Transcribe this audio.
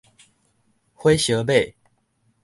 火燒馬